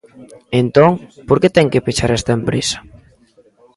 Entón, ¿por que ten que pechar esta empresa?